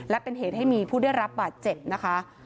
และเป็นเหตุให้มีผู้ได้รับบาดเจ็บนะคะ